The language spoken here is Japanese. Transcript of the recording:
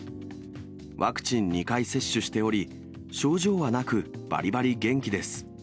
ワクチン２回接種しており、症状はなくバリバリ元気です。